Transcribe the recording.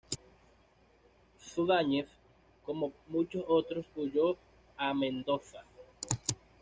Zudáñez, como muchos otros, huyó a Mendoza.